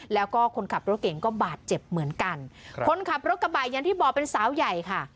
แล้วก็คนขับรถเก่งก็บาดเจ็บเหมือนกันคนขับรถกระบะอย่างที่บอกเป็นสาวใหญ่ค่ะ